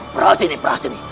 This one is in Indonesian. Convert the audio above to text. berhasil nih berhasil nih